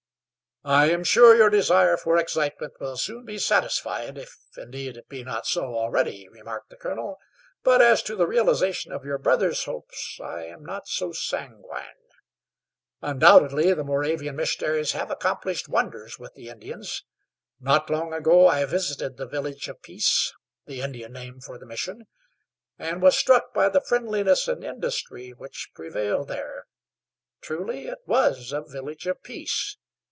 "I am sure your desire for excitement will soon be satisfied, if indeed it be not so already," remarked the colonel. "But as to the realization of your brother's hopes I am not so sanguine. Undoubtedly the Moravian missionaries have accomplished wonders with the Indians. Not long ago I visited the Village of Peace the Indian name for the mission and was struck by the friendliness and industry which prevailed there. Truly it was a village of peace.